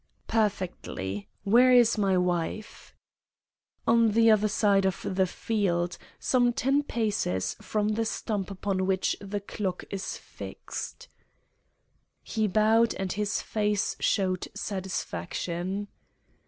"Perfectly. Where is my wife?" "On the other side of the field, some ten paces from the stump upon which the clock is fixed." He bowed, and his face showed satisfaction.